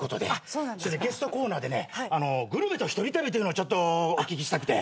それでゲストコーナーでねグルメと一人旅っていうのをお聞きしたくて。